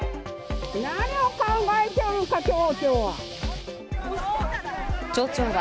何を考えておるんか、町長は！